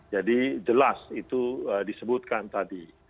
jadi jelas itu disebutkan tadi